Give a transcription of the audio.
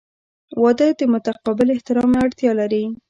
• واده د متقابل احترام اړتیا لري.